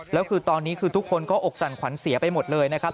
แล้วคือตอนนี้คือทุกคนก็อกสั่นขวัญเสียไปหมดเลยนะครับ